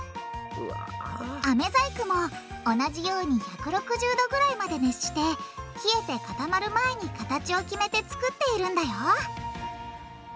アメ細工も同じように１６０℃ぐらいまで熱して冷えて固まる前に形を決めてつくっているんだよ